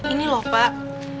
ini loh pak